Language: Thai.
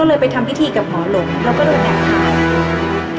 แล้วก็ทำพิธีกับหมอหลงแล้วก็โดยแบบถ่าย